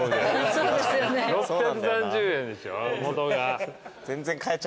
６３０円でしょもとが。